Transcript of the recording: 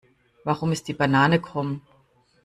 Warum ist die Banane krumm?